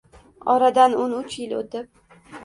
Oradan o‘n uch yil o‘tib